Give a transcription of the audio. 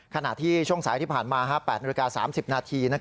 ขณะที่ช่วงสายที่ผ่านมา๘นาฬิกา๓๐นาที